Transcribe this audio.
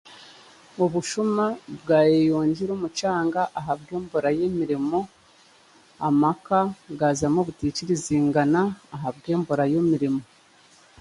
Obushuma bwayeyongiire omu kyanga ahabw'eibura y'emirimo amaka gaazamu obitaikirizingana ahabwembura y'emirimo